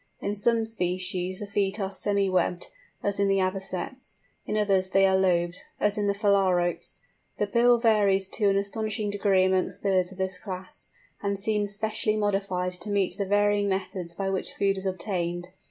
In some species the feet are semi webbed, as in the Avocets, in others they are lobed, as in the Phalaropes. The bill varies to an astonishing degree amongst birds of this class, and seems specially modified to meet the varying methods by which food is obtained.